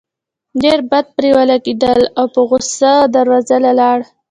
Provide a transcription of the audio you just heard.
ډېر بد پرې ولګېدل او پۀ غصه دروازې له لاړه